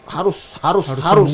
harus harus harus